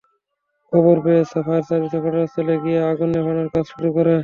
খবর পেয়ে fire service ঘটনাস্থলে গিয়ে আগুন নেভানোর কাজ শুরু করে।